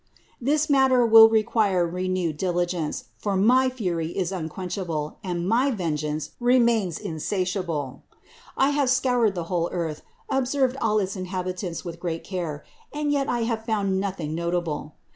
324. "This matter will require renewed diligence, for my fury is unquenchable and my vengeance remains insa tiable. I have scoured the whole earth, observed all its inhabitants with great care, and yet I have found nothing notable.